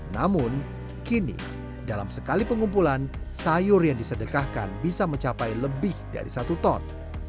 namun kini dalam sekali pengumpulan sayur yang disedekahkan bisa mencapai lebih dari satu ton